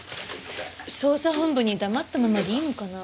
捜査本部に黙ったままでいいのかな？